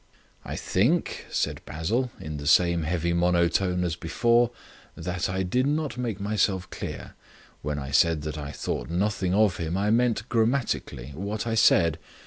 "I think," said Basil, in the same heavy monotone as before, "that I did not make myself clear. When I said that I thought nothing of him I meant grammatically what I said.